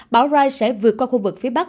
bão rai sẽ vượt qua khu vực phía bắc